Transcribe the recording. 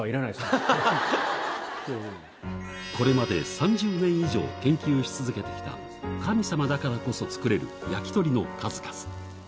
いえ、もうね、これまで３０年以上研究し続けてきた、神様だからこそ作れる焼き鳥の数々。